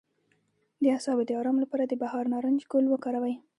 د اعصابو د ارام لپاره د بهار نارنج ګل وکاروئ